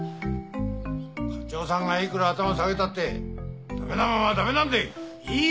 課長さんがいくら頭下げたってダメなもんはダメなんでい！